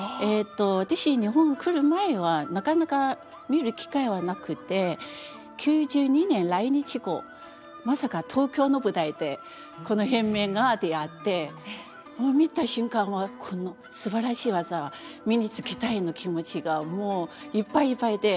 私日本来る前はなかなか見る機会はなくて９２年来日後まさか東京の舞台でこの変面が出会ってもう見た瞬間はこのすばらしい技は身につけたいの気持ちがもういっぱいいっぱいで。